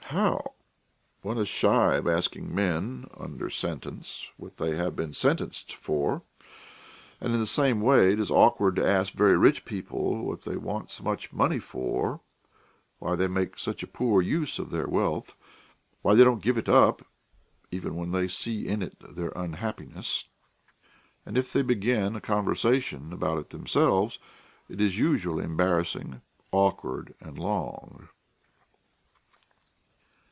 How? One is shy of asking men under sentence what they have been sentenced for; and in the same way it is awkward to ask very rich people what they want so much money for, why they make such a poor use of their wealth, why they don't give it up, even when they see in it their unhappiness; and if they begin a conversation about it themselves, it is usually embarrassing, awkward, and long.